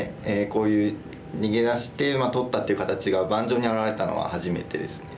こういう逃げ出して取ったという形が盤上に現れたのは初めてですね。